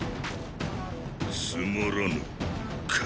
つまらぬか。